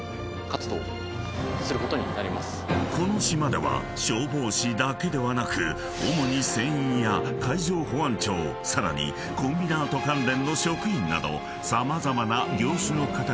［この島では消防士だけでなく主に船員や海上保安庁さらにコンビナート関連の職員など］